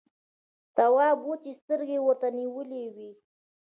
تواب وچې سترګې ورته نيولې وې.